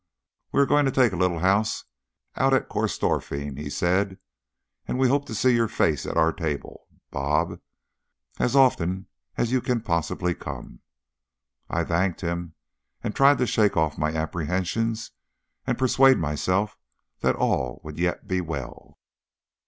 "We are going to take a little house out at Corstorphine," he said, "and we hope to see your face at our table, Bob, as often as you can possibly come." I thanked him, and tried to shake off my apprehensions, and persuade myself that all would yet be well.